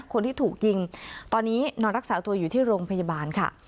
คนที่ถูกยิงตอนนี้นอนรักษาตัวอยู่ที่โรงพยาบาลค่ะ